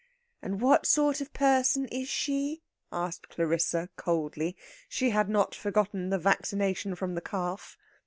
"And what sort of person is she?" asked Clarissa coldly. She had not forgotten the vaccination from the calf.